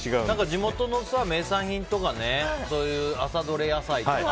地元の名産品とかそういう朝どれ野菜とか。